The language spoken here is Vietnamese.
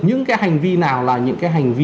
những cái hành vi nào là những cái hành vi